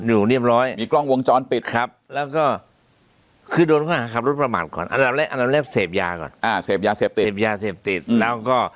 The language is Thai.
อยู่เรียบร้อยกร้องวงจ้อนติดครับแล้วก็